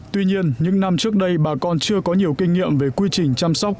tuy nhiên những năm trước đây bà con chưa có nhiều kinh nghiệm về quy trình chăm sóc